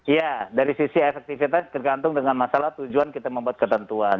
ya dari sisi efektivitas tergantung dengan masalah tujuan kita membuat ketentuan